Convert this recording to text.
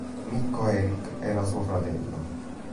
Mikko Erich era suo fratello.